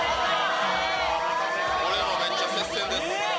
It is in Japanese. これもめっちゃ接戦です。